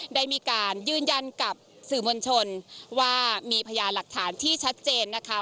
ได้มีการยืนยันกับสื่อมวลชนว่ามีพยานหลักฐานที่ชัดเจนนะคะ